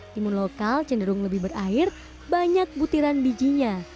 timun lokal cenderung lebih berair banyak butiran bijinya